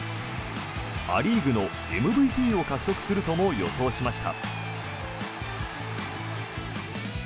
ア・リーグのＭＶＰを獲得するとも予想しました。